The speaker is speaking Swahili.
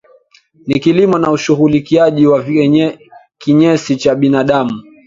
na kilimo na ushughulikiaji wa kinyesi cha binadamu